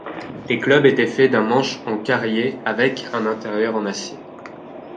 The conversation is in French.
Les clubs étaient faits d'un manche en caryer avec un intérieur en acier.